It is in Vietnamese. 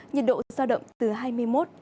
nhiệt độ sao động từ hai mươi năm ba mươi một độ